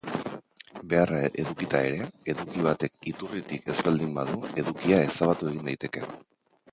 Beharra edukita ere, eduki batek iturririk ez baldin badu, edukia ezabatu egin daiteke.